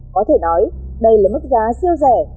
có thể nói đây là mức giá siêu rẻ